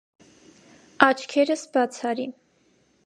Աչքերս բաց արի.